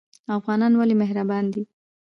افغانان ولې مهربان دي؟